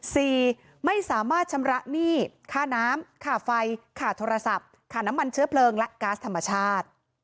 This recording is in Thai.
ไม่สามารถชำระหนี้ค่าน้ำค่าไฟค่าโทรศัพท์ค่าน้ำมันเชื้อเพลิงและก๊าซธรรมชาติ